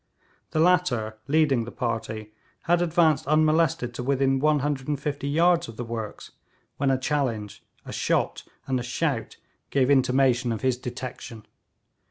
The latter, leading the party, had advanced unmolested to within 150 yards of the works, when a challenge, a shot and a shout gave intimation of his detection.